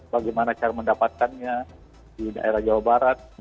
bagaimana cara mendapatkannya di daerah jawa barat